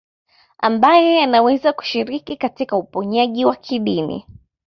Ambaye anaweza kushiriki katika uponyaji wa kidini